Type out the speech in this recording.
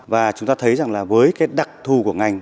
và chúng ta thấy rằng với đặc thù của ngành